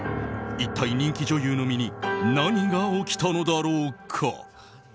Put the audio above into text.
一体、人気女優の身に何が起きたのだろうか？